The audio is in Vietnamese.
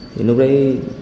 thì lúc đấy